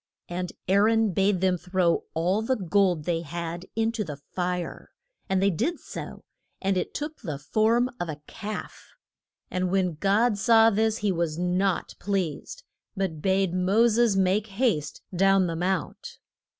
And Aa ron bade them throw all the gold they had in to the fire. And they did so, and it took the form of a calf. And when God saw this he was not pleased, but bade Mo ses make haste down the mount.